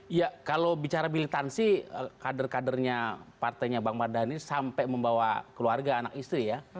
iya kalau bicara militansi kader kadernya partainya bang mardhani sampai membawa keluarga anak istri ya